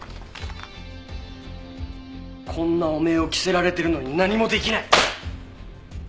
こんな汚名を着せられてるのに何もできない！